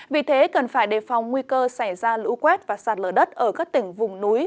vì thế cần phải đề phòng nguy cơ xảy ra lũ quét và sạt lở đất ở các tỉnh vùng núi